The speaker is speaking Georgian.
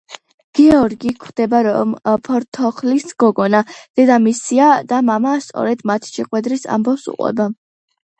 გეორგი ხვდება, რომ „ფორთოხლის გოგონა“ დედამისია და მამა სწორედ მათი შეხვედრის ამბავს უყვება.